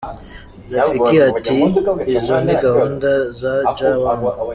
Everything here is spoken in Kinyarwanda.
Rafiki ati “Izo ni gahunda za Jah wangu.